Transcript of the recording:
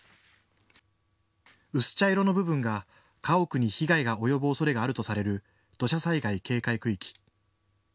薄茶色の部分が家屋に被害が及ぶおそれがあるとされる土砂災害警戒区域。